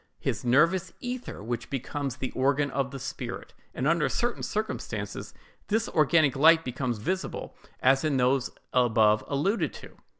his nervous ether, which becomes the organ of the spirit;" and under certain circumstances this organic light becomes visible, as in those above alluded to.